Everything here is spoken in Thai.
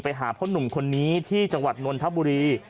ไปหาพ่อหนุ่มคนนี้ที่จังหวัดนนทบุรี